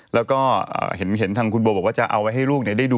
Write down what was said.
แล้วก็เห็นทางคุณโบบอกว่าจะเอาไว้ให้ลูกได้ดู